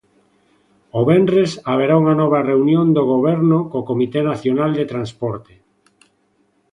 O venres haberá unha nova reunión do Goberno co Comité Nacional de Transporte.